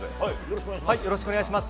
よろしくお願いします。